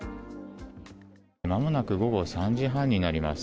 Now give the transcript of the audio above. まもなく午後３時半になります。